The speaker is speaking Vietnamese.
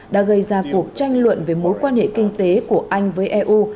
đã gây ra cuộc tranh luận về mối quan hệ kinh tế của anh với eu